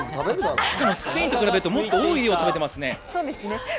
スペインと比べるともっと多い量を食べていますね。